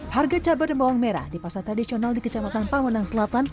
harga cabai dan bawang merah di pasar tradisional di kecamatan pamanang selatan